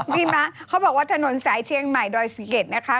มีม้าเขาบอกว่าถนนสายเชียงใหม่โดยเก็ตนะคะ